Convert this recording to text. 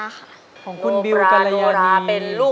ของคุณบิลการยานี